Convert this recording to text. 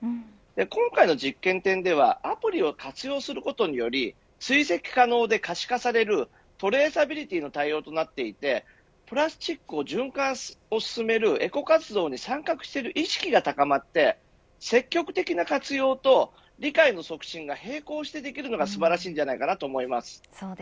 今回の実験店ではアプリを活用することにより追跡可能で可視化されるトレーサビリティの対応となっていてプラスチックを循環を進めるエコ活動に参画している意識が高まって積極的な活用と理解の促進が並行してできるのが素晴らしいと思います。